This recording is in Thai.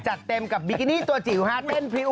จัดเต็มกับบิกินีตัวจิ๋วฮะเต้นผิว